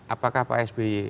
apakah pak sby